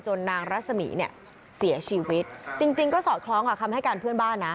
จนนางรัสมีเนี่ยเสียชีวิตจริงก็สอดคล้องคำให้กันเพื่อนบ้านนะ